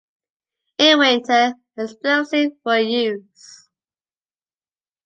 In winter, explosives were used.